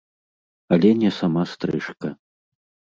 Але не сама стрыжка.